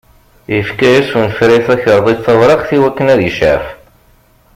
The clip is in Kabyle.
Ifka-yas unefray takarḍit tawraɣt i wakken ad icɛef.